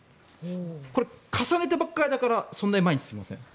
これ、重ねてばかりだからそんなに前に進みません。